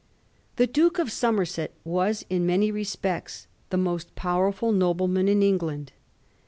The Duke of Somerset was in many respects the most powerful nobleman in England.